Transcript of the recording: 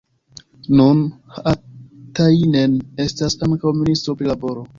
Nun Haatainen estas ankaŭ ministro pri laboro.